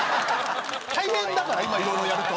大変だから今いろいろやると。